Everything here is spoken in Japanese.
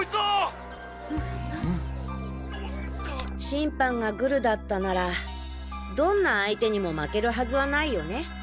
審判がグルだったならどんな相手にも負けるはずはないよね？